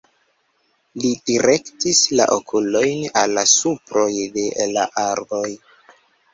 Li direktis la okulojn al la suproj de la arboj.